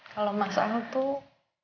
kalau mas al tuh